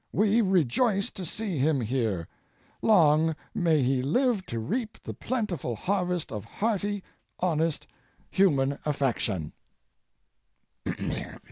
We rejoice to see him here. Long may he live to reap the plentiful harvest of hearty, honest human affection!"